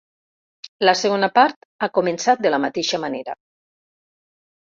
La segona part ha començat de la mateixa manera.